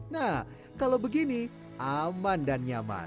nah kalau begini aman dan nyaman